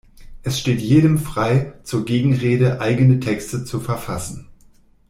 Es steht jedem frei, zur Gegenrede eigene Texte zu verfassen.